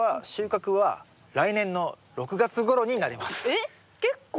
えっ結構。